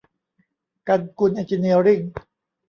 กันกุลเอ็นจิเนียริ่ง